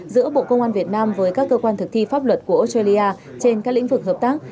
giữa bộ công an việt nam với các cơ quan thực thi pháp luật của australia trên các lĩnh vực hợp tác